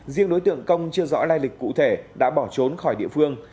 riêng đối tượng công chưa rõ lai lịch cụ thể đã bỏ trốn khỏi địa phương